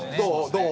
どう？